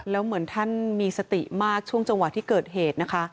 แล้วเหมือนท่านมีสติมากช่วงจังหวะที่เกิดเหตุนะคะ